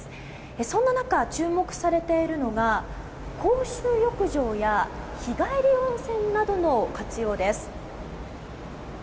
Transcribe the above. そんな中、注目されているのが公衆浴場や日帰り温泉などの活用です。